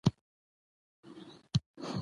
په هر ځای کي زور قانون او حقیقت دی